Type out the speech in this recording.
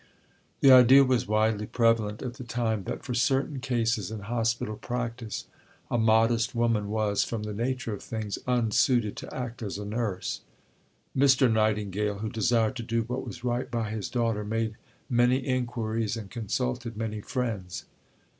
The idea was widely prevalent at the time that for certain cases in hospital practice a modest woman was, from the nature of things, unsuited to act as a nurse. Mr. Nightingale, who desired to do what was right by his daughter, made many inquiries, and consulted many friends.